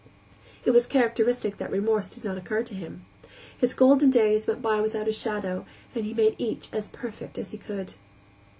It was characteristic that remorse did not occur to him. His golden days went by without a shadow, and he made each as perfect as he could.